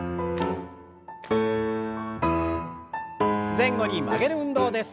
前後に曲げる運動です。